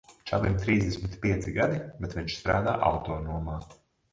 Čalim trīsdesmit pieci gadi, bet viņš strādā autonomā.